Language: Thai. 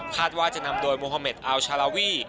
ว่าจะนำโดยโมฮาเมดอัลชาลาวี